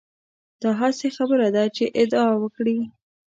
دا هسې خبره ده چې ادعا وکړي.